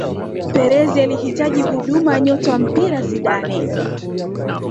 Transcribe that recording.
Perez alihitaji huduma ya nyota wa mpira Zidane